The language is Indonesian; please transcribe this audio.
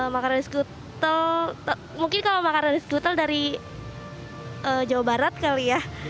makanan di skutel mungkin kalau makanan skutel dari jawa barat kali ya